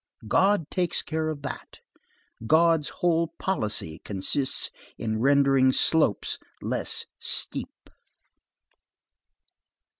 God takes care of that. God's whole policy consists in rendering slopes less steep.